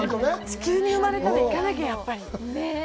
地球に生まれたら、行かないとやっぱり。